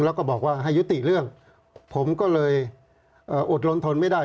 แล้วก็บอกว่าให้ยุติเรื่องผมก็เลยอดลนทนไม่ได้